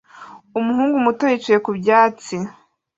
Umuhungu muto yicaye ku byatsi